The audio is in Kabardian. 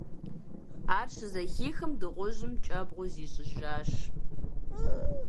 Ар щызэхихым, дыгъужьым кӏэбгъу зищӏыжащ.